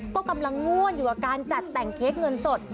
ก็กำลังง่วนอยู่กับการจัดแต่งเค้กเงินสด